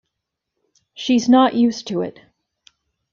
She’s not used to it.